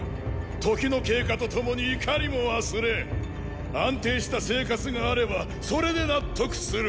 時の経過とともに怒りも忘れ安定した生活があればそれで納得する！